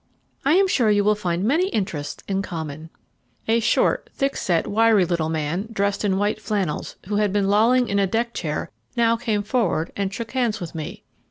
I am sure you will find many interests in common." A short, thickset, wiry little man, dressed in white flannels, who had been lolling in a deck chair, now came forward and shook hands with me.